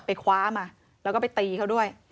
ไปคว้ามาแล้วก็ไปตีเขาด้วย